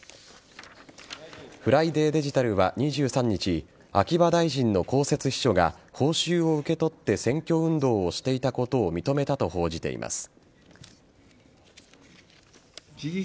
ＦＲＩＤＡＹデジタルは２３日秋葉大臣の公設秘書が報酬を受け取って選挙運動をしていたことを認めたと報じています。